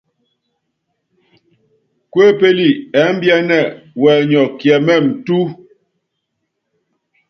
Kuépéli ɛ́mbiɛ́nɛ́ wɛnyɔk kiɛmɛ́m túu.